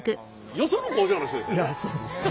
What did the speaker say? よその工場の人ですよね？